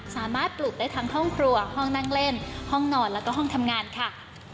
สามารถปลูกได้ทั้งห้องครัวห้องนั่งเล่นห้องนอนแล้วก็ห้องทำงานค่ะ